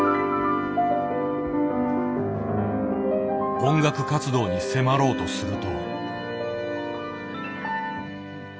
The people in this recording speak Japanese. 音楽活動に迫ろうとすると。